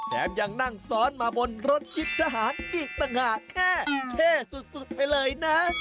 ยังนั่งซ้อนมาบนรถชิดทหารอีกต่างหากแค่เท่สุดไปเลยนะ